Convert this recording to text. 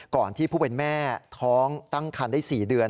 ที่ผู้เป็นแม่ท้องตั้งคันได้๔เดือน